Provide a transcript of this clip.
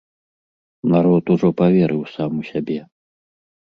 Народ ужо паверыў сам у сябе.